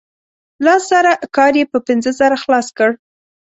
لس زره کار یې په پنځه زره خلاص کړ.